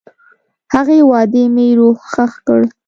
هغې وعدې مې روح ښخ کړ.